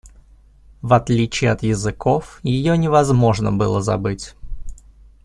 В отличие от языков ее невозможно было забыть.